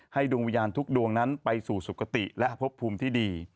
ดวงวิญญาณทุกดวงนั้นไปสู่สุขติและพบภูมิที่ดี